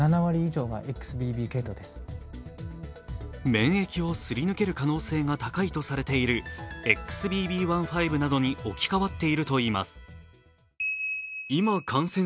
免疫をすり抜ける可能性が高いとされている、ＸＢＢ．１．５などに置き換わっているといいます。